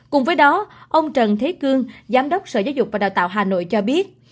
cùng với đó ông trần thế cương giám đốc sở giáo dục và đào tạo hà nội cho biết